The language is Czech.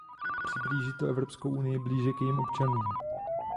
Přiblíží to Evropskou unii blíže k jejím občanům.